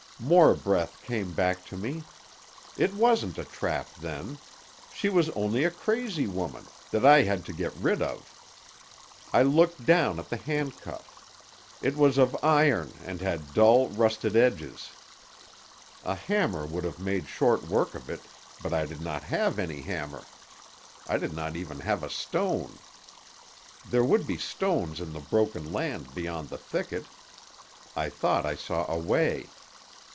"More breath came back to me. It wasn't a trap, then. She was only a crazy woman, that I had to get rid of. I looked down at the handcuff. It was of iron, and had dull rusted edges. A hammer would have made short work of it; but I did not have any hammer. I did not even have a stone. There would be stones in the broken land beyond the thicket. I thought I saw a way.